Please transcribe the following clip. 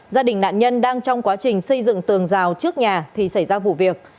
gia đình nạn nhân đang trong quá trình xây dựng tường rào trước nhà thì xảy ra vụ việc